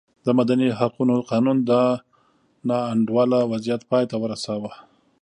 د مدني حقونو قانون دا نا انډوله وضعیت پای ته ورساوه.